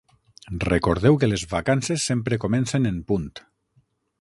Recordeu que les vacances sempre comencen en punt.